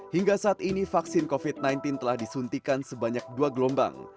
hingga saat ini vaksin covid sembilan belas telah disuntikan sebanyak dua gelombang